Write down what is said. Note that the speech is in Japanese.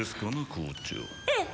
校長ええ